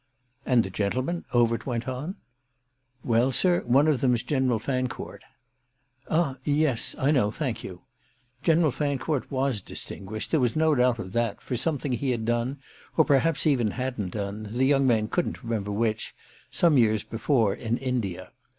"And the gentlemen?" Overt went on. "Well, sir, one of them's General Fancourt." "Ah yes, I know; thank you." General Fancourt was distinguished, there was no doubt of that, for something he had done, or perhaps even hadn't done—the young man couldn't remember which—some years before in India.